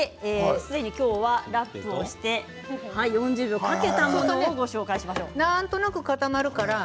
今日はすでにラップして４０秒かけたものをご紹介しましょう。